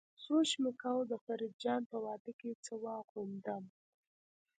سوچ مې کاوه د فريد جان په واده کې څه واغوندم.